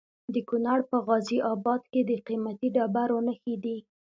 د کونړ په غازي اباد کې د قیمتي ډبرو نښې دي.